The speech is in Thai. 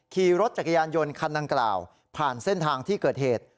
ขี่รถจักรยานยนต์คันดังกล่าวผ่านเส้นทางที่เกิดเหตุ